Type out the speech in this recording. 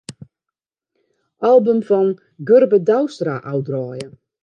Album fan Gurbe Douwstra ôfdraaie.